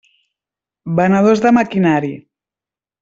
Venedors de maquinari.